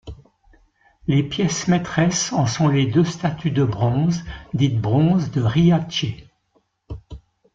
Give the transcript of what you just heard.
Les pièces maîtresses en sont les deux statues de bronze dites bronzes de Riace.